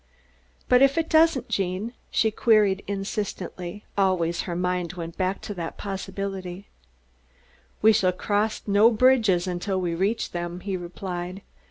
"But if it doesn't, Gene?" she queried insistently. Always her mind went back to that possibility. "We shall cross no bridges until we reach them," he replied.